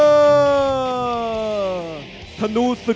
จัดสีบด้วยครับจัดสีบด้วยครับ